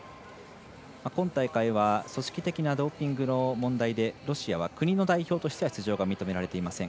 今大会は組織的なドーピングの問題でロシアは国の代表としては出場は認められていません。